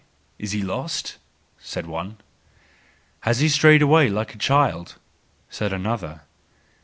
is he lost? said one. Has he strayed away like a child ? said another.